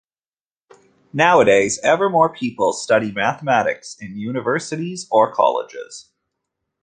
Nowadays ever more people study mathematics in universities or colleges.